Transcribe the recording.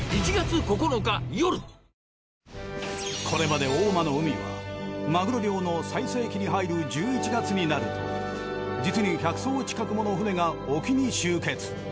これまで大間の海はマグロ漁の最盛期に入る１１月になると実に１００艘近くもの船が沖に集結。